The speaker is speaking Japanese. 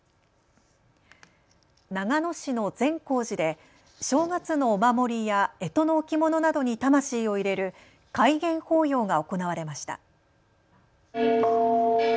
長野市の善光寺で正月のお守りやえとの置物などに魂をいれる開眼法要が行われました。